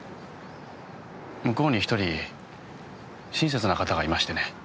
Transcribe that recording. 向こうに一人親切な方がいましてね。